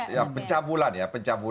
ya pencabulan ya